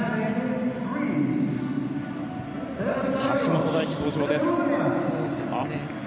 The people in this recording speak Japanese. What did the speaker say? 橋本大輝、登場です。